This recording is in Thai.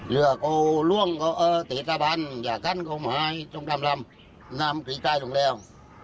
เรือก็ล่วงติดสะพันอยากกั้นก็มาให้ตรงตามน้ำกลีใกล้ตรงแล้ว